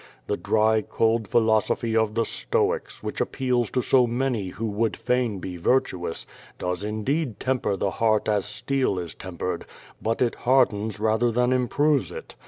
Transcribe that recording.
The dry, cold philosophy of the Stoics, which appeals to so many who Avould fain be virtuous, does indeed temper the heart as steel is tempered, but it hardens rather than improves ii.